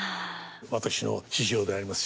私の師匠であります